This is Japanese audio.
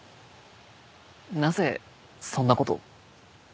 なぜそんなことを？